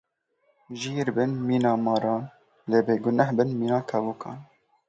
Jîr bin mîna maran lê bêguneh bin mîna kevokan.